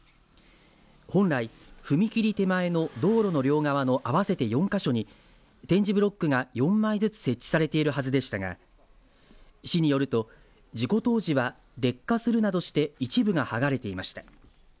本来、踏切手前の道路の両側の合わせて４か所に点字ブロックが４枚ずつ設置されているはずでしたが市によると事故当時は、劣化するなどして一部が剥がれていました。